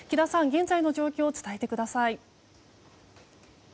現在の状況を伝えてください。